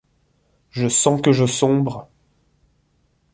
Je sens que je sombre !